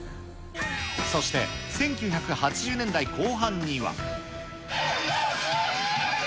そして１９８０年代後半には。